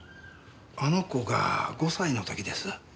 あの子が５歳の時です。